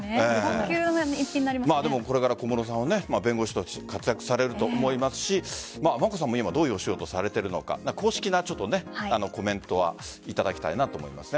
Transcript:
これから小室さんは弁護士として活躍されると思いますし眞子さんもどういうお仕事をされてるのか公式なコメントをいただきたいなと思います。